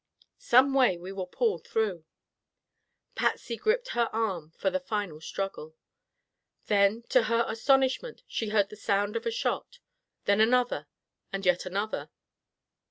"Some way we will pull through." Patsy gripped her arm for the final struggle. Then, to her astonishment, she heard the sound of a shot, then another, and yet another.